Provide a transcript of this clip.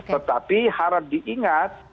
tetapi harap diingat